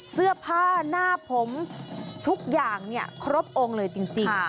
เสื้อผ้าหน้าผมทุกอย่างครบองค์เลยจริง